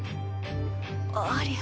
ありゃ。